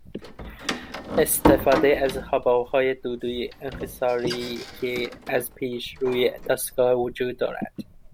استفاده از حبابهای دودویی انحصاریای که از پیش روی دستگاه وجود دارد